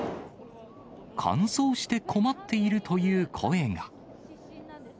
乾燥して困っているという声が。